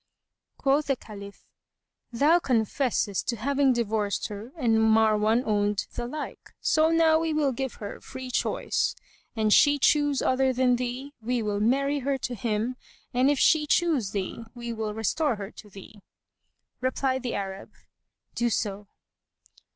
Quoth the Caliph, "Thou confessest to having divorced her and Marwan owned the like; so now we will give her free choice. An she choose other than thee, we will marry her to him, and if she choose thee, we will restore her to thee." Replied the Arab, "Do so."